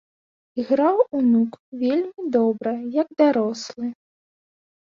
Іграў унук вельмі добра, як дарослы.